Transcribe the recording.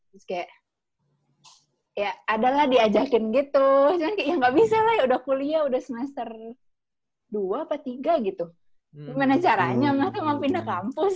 terus kayak ya adalah diajakin gitu cuman kayak ya ga bisa lah ya udah kuliah udah semester dua apa tiga gitu gimana caranya maksudnya mau pindah kampus